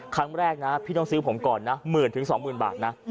ครั้งแรกนะพี่ต้องซื้อผมก่อนนะ๑๐๐๐๐๒๐๐๐๐บาทนะ